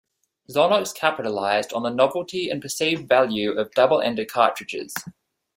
Xonox capitalized on the novelty and perceived value of "double-ender" cartridges.